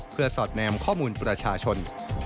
เพื่อสอดแนมข้อมูลประชาชน